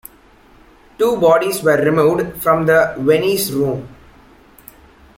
Two bodies were removed from the Viennese Room.